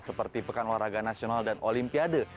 seperti pekan olahraga nasional dan olimpiade